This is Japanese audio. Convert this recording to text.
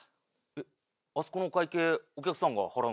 えっあそこのお会計お客さんが払うんですか？